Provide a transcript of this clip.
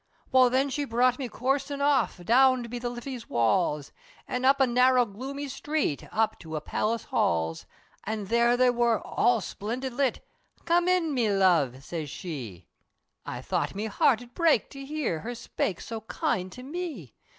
Well then she brought me coorsin off, Down be the Liffy's walls, An' up a narra gloomy sthreet, Up to a Palace Halls! An' there they wor, all splindid lit, "Come in me love," siz she. I thought me heart'ed brake, to hear Her spake so kind to me!